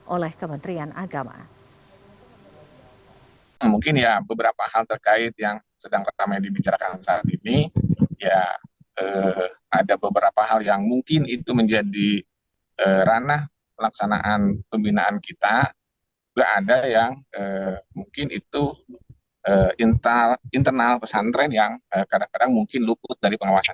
oleh kementerian agama